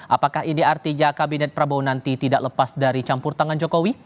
apakah ide artinya kabinet prabowo nanti tidak lepas dari campur tangan jokowi